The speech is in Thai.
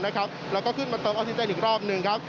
แล้วก็ขึ้นมาเติมออกซิเจนอีกรอบหนึ่งครับ